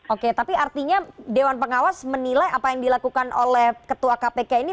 oke tapi artinya dewan pengawas menilai apa yang dilakukan oleh ketua kpk ini